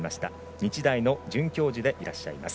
日大の准教授でいらっしゃいます。